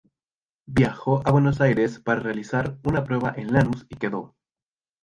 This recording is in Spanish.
Viajó a Buenos Aires para realizar una prueba en Lanús y quedó.